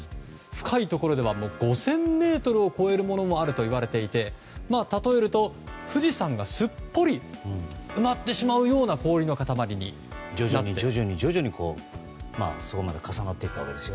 深いところでは５０００ｍを超えるものもあるといわれていて例えると、富士山がすっぽり埋まってしまうような氷の塊になっています。